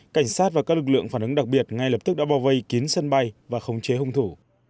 cảnh sát và các lực lượng phản ứng đặc biệt ngay lập tức đã bao vây kín sân bay và khống chế hung thủ